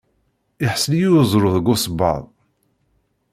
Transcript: Iḥṣel-iyi uẓru deg usebbaḍ.